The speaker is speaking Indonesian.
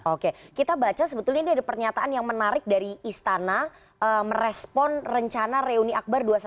oke kita baca sebetulnya ini ada pernyataan yang menarik dari istana merespon rencana reuni akbar dua ratus dua belas